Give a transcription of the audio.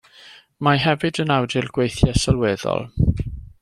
Mae hefyd yn awdur gweithiau sylweddol.